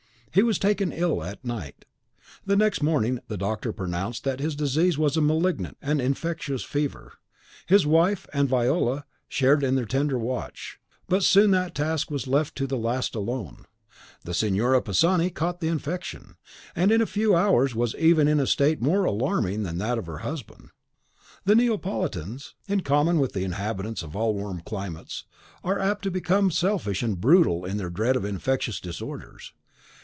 He was taken ill at night. The next morning the doctor pronounced that his disease was a malignant and infectious fever. His wife and Viola shared in their tender watch; but soon that task was left to the last alone. The Signora Pisani caught the infection, and in a few hours was even in a state more alarming than that of her husband. The Neapolitans, in common with the inhabitants of all warm climates, are apt to become selfish and brutal in their dread of infectious disorders.